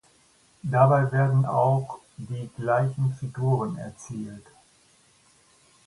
Dabei werden auch die gleichen Figuren erzielt.